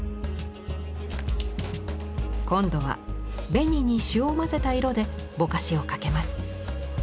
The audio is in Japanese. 今度は紅に朱を混ぜた色でぼかしをかけます。